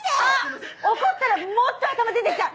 怒ったらもっと頭出て来た！